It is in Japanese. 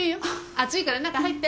暑いから中入って。